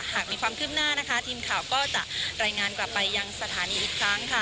หากมีความคืบหน้านะคะทีมข่าวก็จะรายงานกลับไปยังสถานีอีกครั้งค่ะ